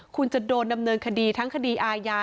คุณจะโดนดำเนินคดีทั้งคดีอาญา